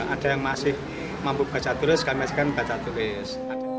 ada yang masih mampu baca tulis kami masih kan baca tulis